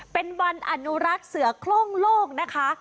เป็นวันอนุรักษ์เสือคล่องโลกนะคะ